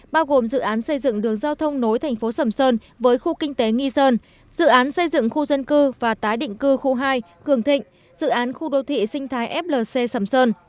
bao gồm dự án xây dựng đường giao thông nối thành phố sầm sơn với khu kinh tế nghi sơn dự án xây dựng khu dân cư và tái định cư khu hai cường thịnh dự án khu đô thị sinh thái flc sầm sơn